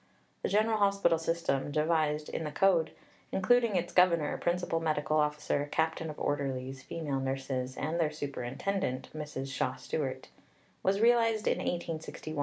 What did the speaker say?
The general hospital system, devised in the Code including its governor, principal medical officer, captain of orderlies, female nurses, and their Superintendent (Mrs. Shaw Stewart) was realized in 1861 in the hospital at Woolwich.